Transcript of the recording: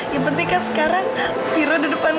yang penting kan sekarang viro di depan